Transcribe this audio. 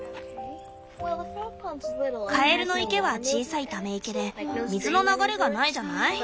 カエルの池は小さいため池で水の流れがないじゃない？